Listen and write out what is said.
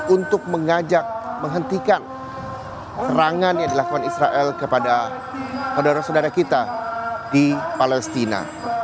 untuk mengajak menghentikan serangan yang dilakukan israel kepada saudara saudara kita di palestina